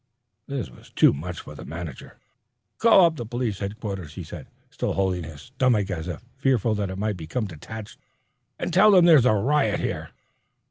This was too much for the manager. "Call up police headquarters," he said, still holding his stomach as if fearful that it might become detached, "and tell them there's a riot here."